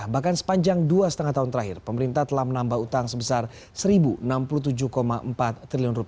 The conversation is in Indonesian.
bahkan sepanjang dua lima tahun terakhir pemerintah telah menambah utang sebesar rp satu enam puluh tujuh empat triliun